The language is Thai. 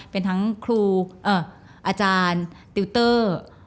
เป็นทั้งครูอาจารย์ติวเตอร์